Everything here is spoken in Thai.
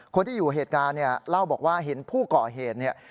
คนที่อยู่เหตุการณ์เนี่ยเล่าบอกว่าเห็นผู้ก่อเหตุเนี่ย